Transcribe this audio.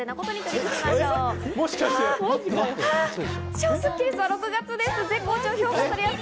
超スッキりすは６月です。